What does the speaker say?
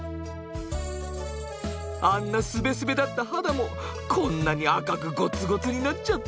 あんなスベスベだった肌もこんなに赤くゴツゴツになっちゃって。